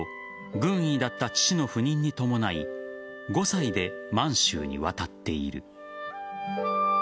軍医だった父の赴任に伴い５歳で満州に渡っている。